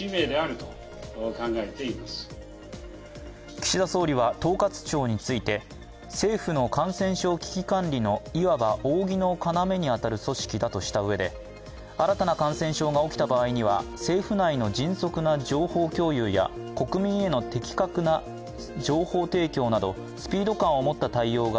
岸田総理は統括庁について、政府の感染症危機管理のいわば扇の要に当たる組織だとしたうえで新たな感染者が起きた場合には政府内の迅速な情報共有や国民への的確な情報提供などスピード感を持った対応が